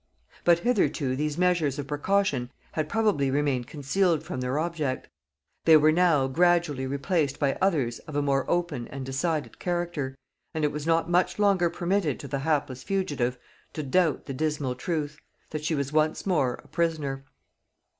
But hitherto these measures of precaution had probably remained concealed from their object; they were now gradually replaced by others of a more open and decided character, and it was not much longer permitted to the hapless fugitive to doubt the dismal truth, that she was once more a prisoner.